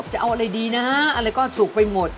จะเอาอะไรดีนะอะไรก็สุกไปหมด